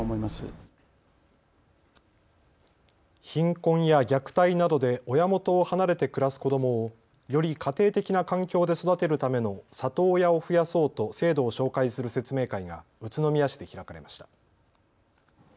貧困や虐待などで親元を離れて暮らす子どもをより家庭的な環境で育てるための里親を増やそうと制度を紹介する説明会が宇都宮市で開かれました。